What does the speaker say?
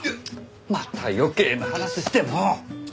また余計な話してもう！